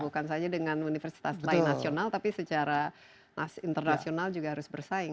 bukan saja dengan universitas lain nasional tapi secara internasional juga harus bersaing